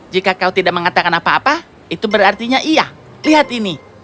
jika kau tidak mengatakan apa apa itu berarti iya lihat ini